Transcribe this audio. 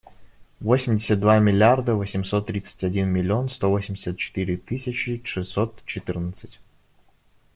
Восемьдесят два миллиарда восемьсот тридцать один миллион сто восемьдесят четыре тысячи шестьсот четырнадцать.